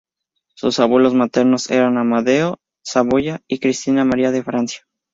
Sus abuelos maternos eran Amadeo I Saboya y Cristina María de Francia.